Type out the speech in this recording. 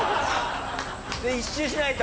で１周しないと。